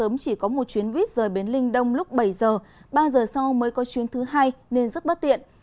một chuyến viết rời bến linh đông lúc bảy giờ ba giờ sau mới có chuyến thứ hai nên rất bất tiện